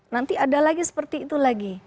nanti ada lagi seperti itu lagi